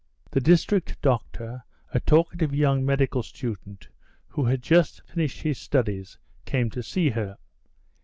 The district doctor, a talkative young medical student, who had just finished his studies, came to see her.